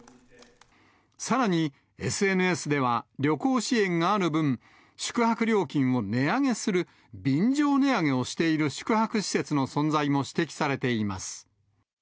さらにＳＮＳでは、旅行支援がある分、宿泊料金を値上げする便乗値上げをしている宿泊施設の存在も指摘されています。